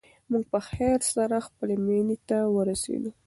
موږ په خیر سره خپلې مېنې ته ورسېدو.